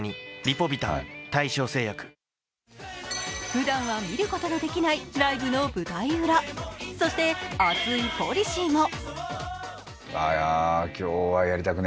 ふだんは見ることができないライブの舞台裏、そして熱いポリシーも。